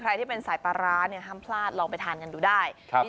ที่เป็นสายปลาร้าเนี่ยห้ามพลาดลองไปทานกันดูได้